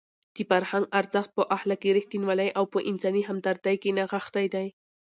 د فرهنګ ارزښت په اخلاقي رښتینولۍ او په انساني همدردۍ کې نغښتی دی.